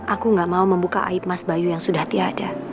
aku gak mau membuka aib mas bayu yang sudah tiada